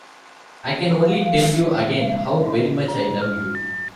I can only tell you again, "how very much" I love you.